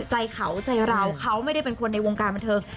ใจเขาใจเราเขาไม่ได้เป็นคนในวงการบันเทิง